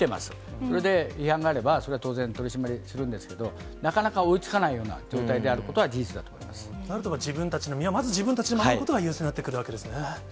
それで、違反があればそれは当然、取締りするんですけれども、なかなか追いつかないような状態なんとか自分たちの身は、まず自分たちで守ることが優先になってくるわけですね。